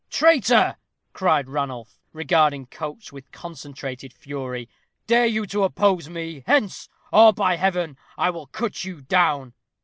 "Traitor!" cried Ranulph, regarding Coates with concentrated fury, "dare you to oppose me? hence! or, by Heaven, I will cut you down!"